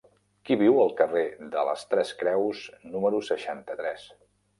Qui viu al carrer de les Tres Creus número seixanta-tres?